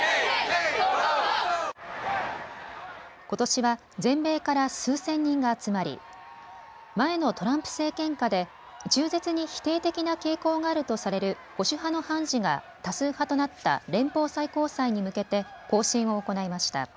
ことしは全米から数千人が集まり前のトランプ政権下で中絶に否定的な傾向があるとされる保守派の判事が多数派となった連邦最高裁に向けて行進を行いました。